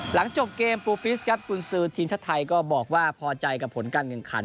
หลังจบเกมปูปิสครับกุญสือทีมชาติไทยก็บอกว่าพอใจกับผลการแข่งขัน